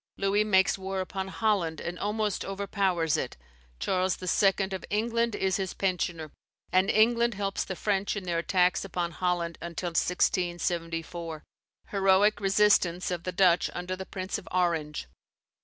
Louis makes war upon Holland, and almost overpowers it, Charles II. of England is his pensioner, and England helps the French in their attacks upon Holland until 1674. Heroic resistance of the Dutch under the Prince of Orange.